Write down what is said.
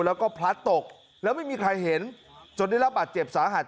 แล้วก็พลัดตกแล้วไม่มีใครเห็นจนได้รับบาดเจ็บสาหัส